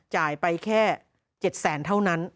จ่ายไปแค่๗แสนเท่านั้น